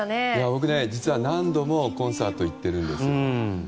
僕、実は何度もコンサートに行ってるんです。